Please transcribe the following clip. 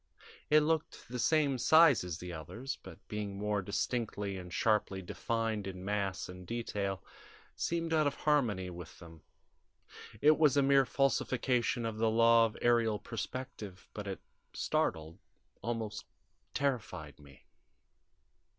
It looked the same size as the others, but, being more distinctly and sharply defined in mass and detail, seemed out of harmony with them. It was a mere falsification of the law of aerial perspective, but it startled, almost terrified me.